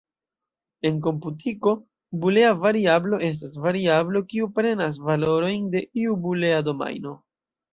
En komputiko, bulea variablo estas variablo kiu prenas valorojn de iu bulea domajno.